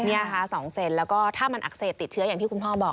นี่ค่ะ๒เซนแล้วก็ถ้ามันอักเสบติดเชื้ออย่างที่คุณพ่อบอก